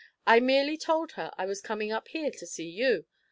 I merely told her I was coming up here to see you.